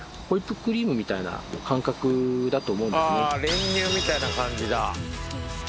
練乳みたいな感じだ。